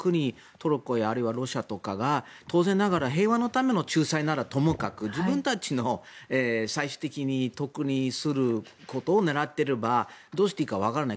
トルコやあるいはロシアとかが当然ながら平和のための仲裁ならともかく自分たちが最終的に得になることを狙っていればどうしていいかわからない。